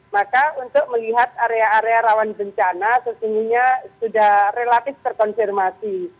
maka untuk melihat area area rawan bencana sesungguhnya sudah relatif terkonfirmasi